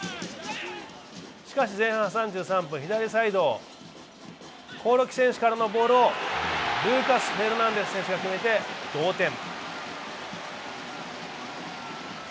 しかし前半３３分、左サイド興梠選手からのボールをルーカス・フェルナンデス選手が決めて、同点。